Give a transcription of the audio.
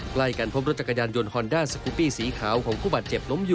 ใกล้กันพบรถจักรยานยนต์ฮอนด้าสกุปปี้สีขาวของผู้บาดเจ็บล้มอยู่